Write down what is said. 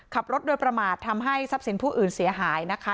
ขับรถโดยประมาททำให้ทรัพย์สินผู้อื่นเสียหายนะคะ